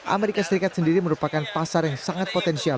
amerika serikat sendiri merupakan pasar yang sangat potensial